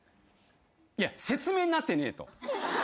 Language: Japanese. いや説明になってねえと。